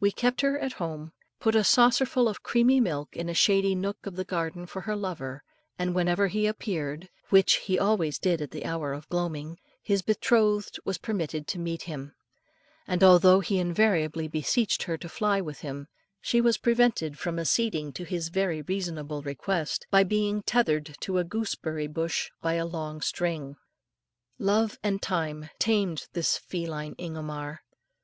We kept her at home, put a saucer full of creamy milk in a shady nook of the garden for her lover, and whenever he appeared, which he always did at the hour of gloaming, his betrothed was permitted to meet him, and although he invariably beseeched her to fly with him, she was prevented from acceding to his very reasonable request, by being tethered to a gooseberry bush by a long string. Love and time tamed this feline Ingomar.